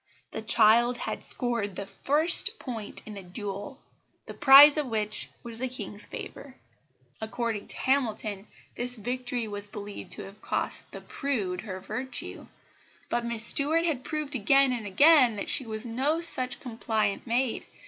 The child had scored the first point in the duel, the prize of which was the King's favour. According to Hamilton, this victory was believed to have cost the "prude" her virtue; but Miss Stuart had proved again and again that she was no such compliant maid.